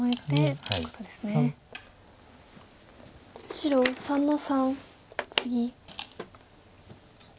白３の三ツギ。